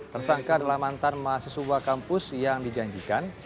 tersangka adalah mantan mahasiswa kampus yang dijanjikan